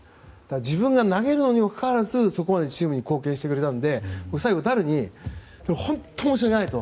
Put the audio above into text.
自分が投げるにもかかわらずそこまでチームに貢献してくれたので最後、ダルに本当に申し訳ないと。